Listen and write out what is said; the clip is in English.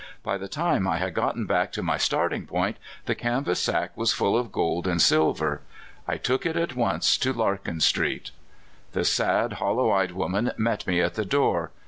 By the time I had gotten back to my starting point on the corner of Washington street, the canvas sack was full of gold and silver. I took it at once to Larkin street. The sad, hollow eyed woman met me at the door.